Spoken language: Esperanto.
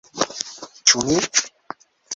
Ĉu mi?